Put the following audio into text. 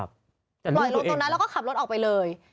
ปล่อยลงตรงนั้นแล้วก็ขับรถออกไปเลย